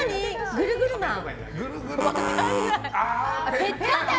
ぐるぐるマン！